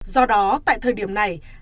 do đó tại thời điểm này